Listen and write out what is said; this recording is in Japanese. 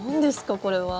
これは。